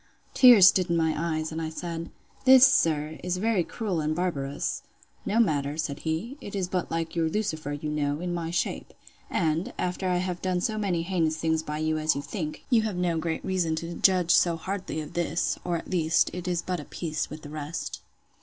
Tears stood in my eyes, and I said, This, sir, is very cruel and barbarous.—No matter, said he; it is but like your Lucifer, you know, in my shape! And, after I have done so many heinous things by you as you think, you have no great reason to judge so hardly of this; or, at least, it is but of a piece with the rest.